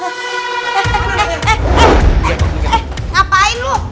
heheheh ngapain lu